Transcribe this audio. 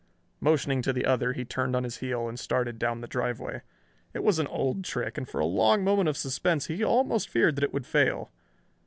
Motioning to the other he turned on his heel and started down the driveway. It was an old trick, and for a long moment of suspense he almost feared that it would fail.